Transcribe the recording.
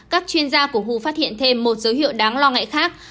các chuyên gia của hu phát hiện thêm một dấu hiệu đáng lo ngại khác